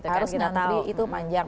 harus nyantri itu panjang